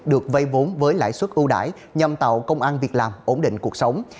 được vây vốn với lãi suất ưu đải nhằm tạo công an việc làm ổn định cuộc sống